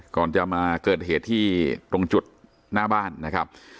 ก่อนจะมาเกิดเหตุที่ตรงจุดหน้าบ้านนะครับ